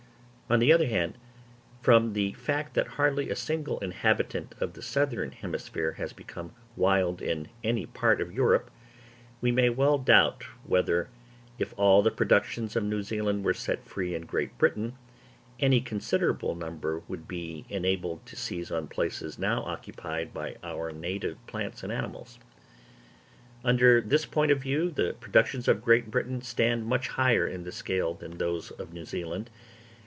On the other hand, from the fact that hardly a single inhabitant of the southern hemisphere has become wild in any part of Europe, we may well doubt whether, if all the productions of New Zealand were set free in Great Britain, any considerable number would be enabled to seize on places now occupied by our native plants and animals. Under this point of view, the productions of Great Britain stand much higher in the scale than those of New Zealand.